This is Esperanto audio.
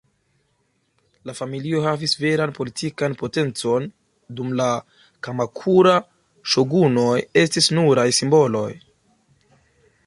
La familio havis veran politikan potencon, dum la Kamakura-ŝogunoj estis nuraj simboloj.